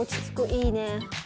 いいね。